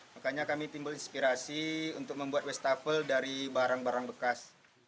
makanya kami timbul inspirasi untuk membuat westafel dari barang barang bekas